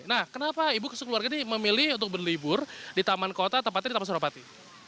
nah kenapa ibu keseluruhannya memilih untuk berlibur di taman kota tempatnya di taman surabati